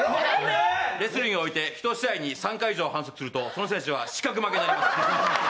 レスリングにおいて１試合３回以上反則をするとその選手は失格負けです。